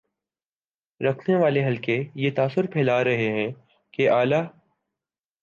رکھنے والے حلقے یہ تاثر پھیلا رہے ہیں کہ اعلی